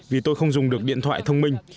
vì tôi không dùng được điện thoại thông minh